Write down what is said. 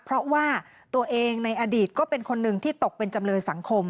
เพราะว่าตัวเองในอดีตก็เป็นคนหนึ่งที่ตกเป็นจำเลยสังคม